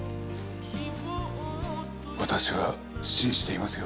私は信じていますよ。